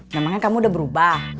namanya kamu udah berubah